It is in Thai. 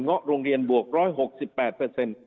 ะโรงเรียนบวก๑๖๘เปอร์เซ็นต์